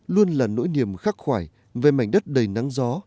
luôn là nỗi niềm khắc khoải về mảnh đất đầy nắng gió